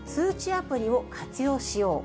アプリを活用しよう。